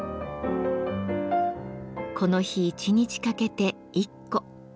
この日一日かけて１個。